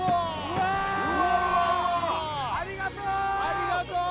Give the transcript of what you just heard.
ありがとう！